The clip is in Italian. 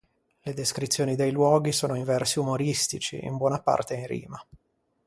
Le descrizioni dei luoghi sono in versi umoristici, in buona parte in rima.